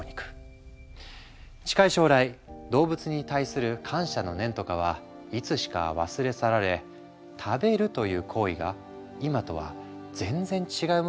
近い将来動物に対する感謝の念とかはいつしか忘れ去られ食べるという行為が今とは全然違うものになるのかもしれないね。